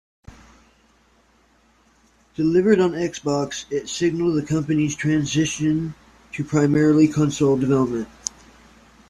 Delivered on Xbox, it signaled the company's transition to primarily console development.